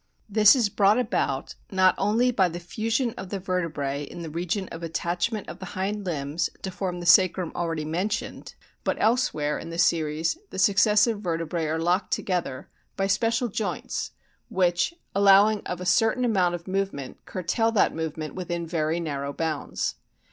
This is brought about not only by the fusion of vertebrae in the region of attachment of the hind limbs to form the sacrum already mentioned, but elsewhere in the series the successive vertebrae are locked together by 42 A BOOK OF WIfALES special joints, which, allowing of a certain amount of movement, curtail that movement within very narrow bounds.